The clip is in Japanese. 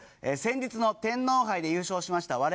先日の天皇杯で優勝しました